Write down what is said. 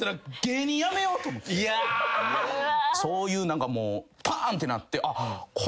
そういう何かもうパンってなって。